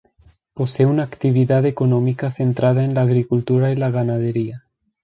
Posee una actividad económica centrada en la agricultura y la ganadería.